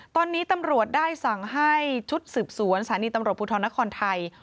ตอนนี้ตำรวจได้สั่งให้ชุดสืบสวนสถานีตำรวจภูทรนครไทย